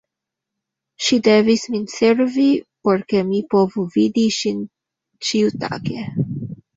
Ŝi devis min servi, por ke mi povu vidi ŝin ĉiutage.